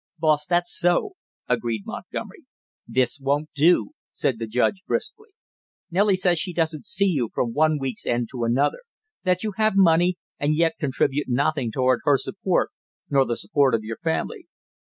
"Boss, that's so," agreed Montgomery. "This won't do!" said the judge briskly. "Nellie says she doesn't see you from one week's end to another; that you have money and yet contribute nothing toward her support nor the support of your family."